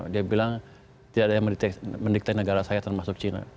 dia bilang tidak ada yang mendikte negara saya termasuk china